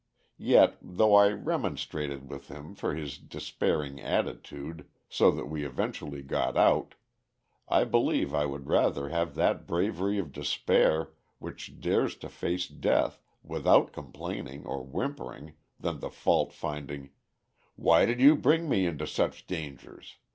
Yet, though I remonstrated with him for his despairing attitude so that we eventually got out, I believe I would rather have that bravery of despair which dares to face death without complaining or whimpering, than the fault finding, "Why did you bring me into such dangers?"